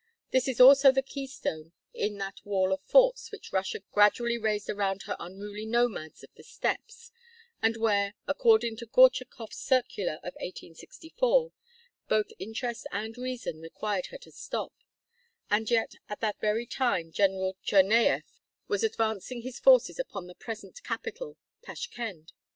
This is also the keystone in that wall of forts which Russia gradually raised around her unruly nomads of the steppes, and where, according to Gortchakoff's circular of 1864, "both interest and reason" required her to stop; and yet at that very time General Tchernaieff was advancing his forces upon the present capital, Tashkend.